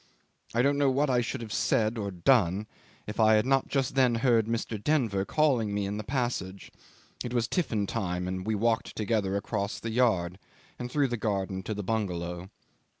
I don't know what I should have said or done if I had not just then heard Mr. Denver calling me in the passage. It was tiffin time, and we walked together across the yard and through the garden to the bungalow.